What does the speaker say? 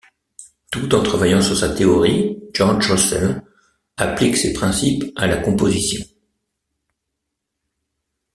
Tout en travaillant sur sa théorie, George Russell applique ses principes à la composition.